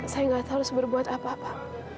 saya nggak tahu harus berbuat apa apa